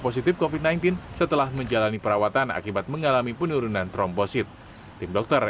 positif covid sembilan belas setelah menjalani perawatan akibat mengalami penurunan tromposit tim dokter